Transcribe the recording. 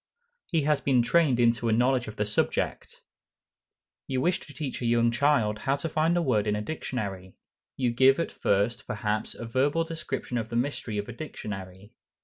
He has been trained into a knowledge of the subject. You wish to teach a young child how to find a word in a dictionary. You give at first, perhaps, a verbal description of the mystery of a dictionary.